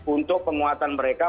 untuk penguatan mereka